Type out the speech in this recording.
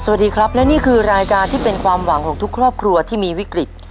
สวัสดีครับและนี่คือรายการที่เป็นความหวังของทุกครอบครัวที่มีวิกฤต